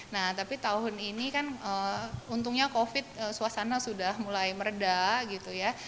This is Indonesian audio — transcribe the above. nah tapi tahun ini kan untungnya covid suasana sudah mulai meredah gitu ya